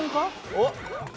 おっ！